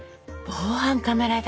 防犯カメラ代。